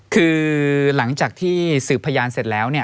คือหลังจากที่สืบพยานเสร็จแล้ว